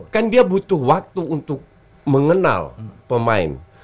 kan dia butuh waktu untuk mengenal pemain